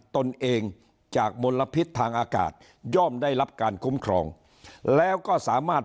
ตนเองจากมลพิษทางอากาศย่อมได้รับการคุ้มครองแล้วก็สามารถ